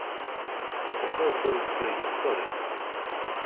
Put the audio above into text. Што такое полацкая гісторыя?